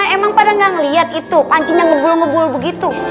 emang pada gak ngeliat itu pancinya ngebul ngebul begitu